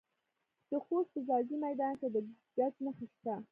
د خوست په ځاځي میدان کې د ګچ نښې شته.